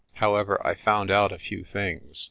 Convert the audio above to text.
However, I found out a few things.